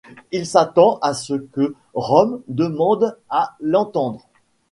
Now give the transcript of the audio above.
Il s'attend à ce que Rome demande à l'entendre.